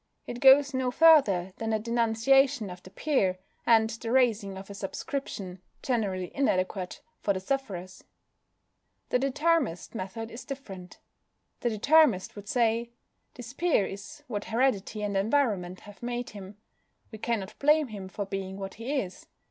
It goes no further than the denunciation of the peer, and the raising of a subscription (generally inadequate) for the sufferers. The Determinist method is different. The Determinist would say: "This peer is what heredity and environment have made him. We cannot blame him for being what he is.